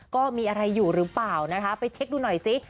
ก็มีอะไรอยู่หรือเปล่านะคะไปเช็คดูหน่อยซิ